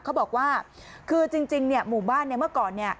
เขาบอกว่าคือจริงเนี่ยหมู่บ้านเนี่ยเมื่อก่อนเนี่ย